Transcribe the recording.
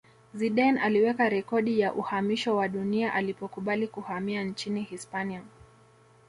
zidane aliweka rekodi ya uhamisho wa dunia alipokubali kuhamia nchini hispania